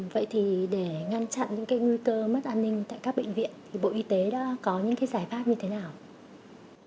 vậy thì để ngăn chặn những cái nguy cơ mất an ninh tại các bệnh viện thì bộ y tế đã có những cái giải pháp như thế nào